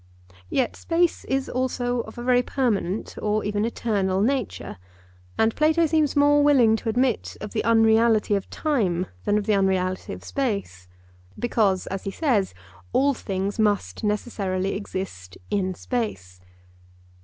Yet space is also of a very permanent or even eternal nature; and Plato seems more willing to admit of the unreality of time than of the unreality of space; because, as he says, all things must necessarily exist in space.